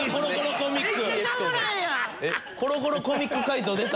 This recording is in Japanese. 『コロコロコミック』解答出た。